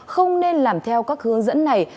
không nên làm theo các hướng dẫn này